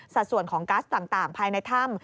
ส่วนของกัสต่างภายในถ้ำ